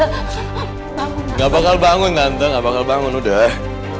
tante nggak bakal bangun tante nggak bakal bangun udah